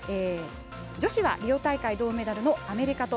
女子はリオ大会銅メダルのアメリカと。